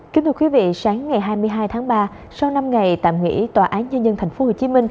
kính thưa quý vị sáng ngày hai mươi hai tháng ba sau năm ngày tạm nghỉ tòa án nhân dân tp hcm